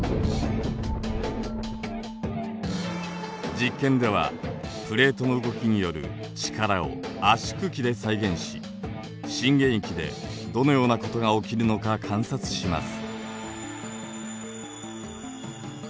実験ではプレートの動きによる力を圧縮機で再現し震源域でどのようなことが起きるのか観察します。